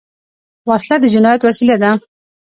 وسله د جنايت وسیله ده